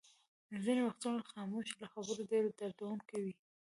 ځینې وختونه خاموشي له خبرو ډېره دردوونکې وي.